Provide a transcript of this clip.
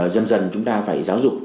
dần dần chúng ta phải giáo dục